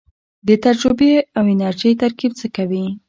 د تجربې او انرژۍ ترکیب څه کوي؟